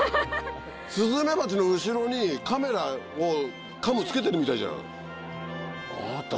スズメバチの後ろにカメラを付けてるみたいじゃん。